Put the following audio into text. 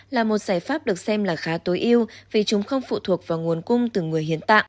là một giải pháp được xem là khá tối yêu vì chúng không phụ thuộc vào nguồn cung từ người hiến tạng